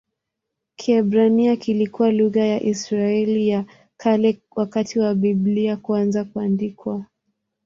Kiebrania kilikuwa lugha ya Israeli ya Kale wakati wa Biblia kuanza kuandikwa.